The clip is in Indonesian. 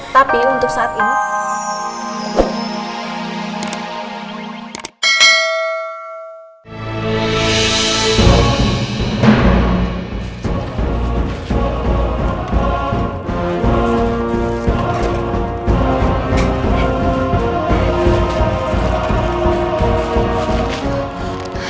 tapi untuk saat ini